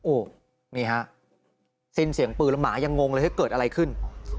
โอ้โหนี่ฮะสิ้นเสียงปืนแล้วหมายังงงเลยเกิดอะไรขึ้น